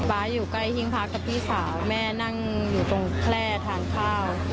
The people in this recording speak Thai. ๊าอยู่ใกล้หิ้งพักกับพี่สาวแม่นั่งอยู่ตรงแคล่ทานข้าว